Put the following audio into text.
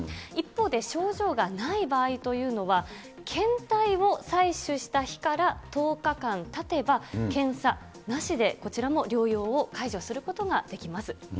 一方で、症状がない場合というのは、検体を採取した日から１０日間たてば、検査なしで、こちらも療養を解除することができます。